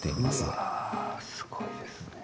うわすごいですね。